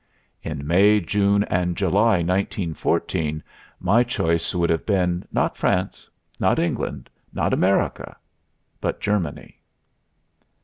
In May, June and July, 1914, my choice would have been, not France, not England, not America, but Germany.